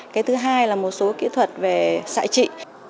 cái thứ hai là một số kỹ thuật về xại trị